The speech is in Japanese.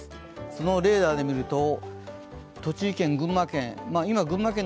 そのレーダーでみると栃木県、群馬県